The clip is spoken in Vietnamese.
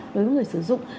đối với người sử dụng